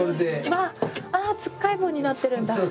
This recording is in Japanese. ああつっかい棒になってるんだ。